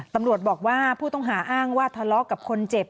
ตำรวจบอกว่าผู้ต้องหาอ้างว่าทะเลาะกับคนเจ็บ